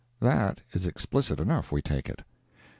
That is explicit enough, we take it.